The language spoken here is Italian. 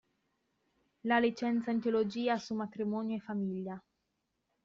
La licenza in Teologia su Matrimonio e Famiglia.